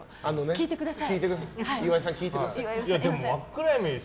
聞いてください！